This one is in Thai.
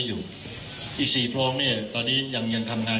คุณผู้ชมไปฟังผู้ว่ารัฐกาลจังหวัดเชียงรายแถลงตอนนี้ค่ะ